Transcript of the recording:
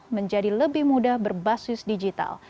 menjadi lebih mudah berbasis digital